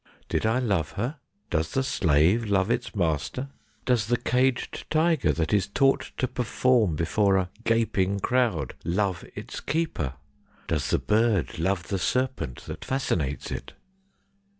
Did I love her ? Does the slave love his master ? Does the caged tiger that is taught to perform before a gaping crowd love its keeper ? Does the bird love the serpent that fascinates it